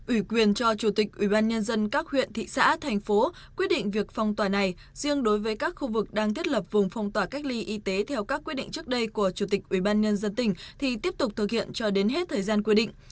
ủy quyền cho chủ tịch ủy ban nhân dân các huyện thị xã thành phố quyết định việc phong tỏa này riêng đối với các khu vực đang thiết lập vùng phong tỏa cách ly y tế theo các quyết định trước đây của chủ tịch ủy ban nhân dân tỉnh thì tiếp tục thực hiện cho đến hết thời gian quyết định